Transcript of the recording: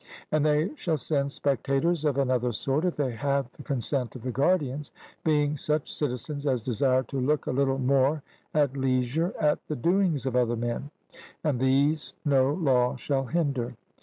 And they shall send spectators of another sort, if they have the consent of the guardians, being such citizens as desire to look a little more at leisure at the doings of other men; and these no law shall hinder.